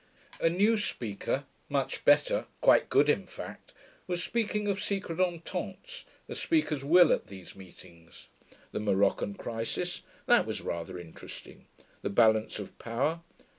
A new speaker (much better, quite good, in fact) was speaking of secret ententes, as speakers will at these meetings. The Moroccan crisis ... that was rather interesting. The Balance of Power.